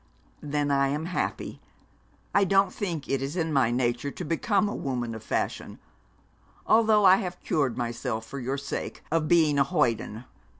'Then I am happy. I don't think it is in my nature to become a woman of fashion; although I have cured myself, for your sake, of being a hoyden.